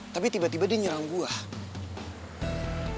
tapi tiba tiba dia nyerang buah